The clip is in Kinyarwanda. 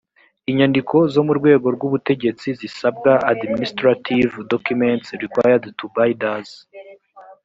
inyandiko zo mu rwego rw ubutegetsi zisabwa administrative documents required to bidders